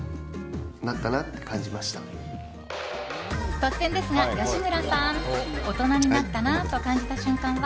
突然ですが、吉村さん大人になったなと感じた瞬間は？